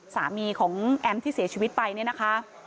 สามีของแอมที่เสียชีวิตไปเนี่ยนะคะ